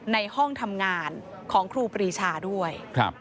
ในห้องทำงานของครูปรีชาด้วย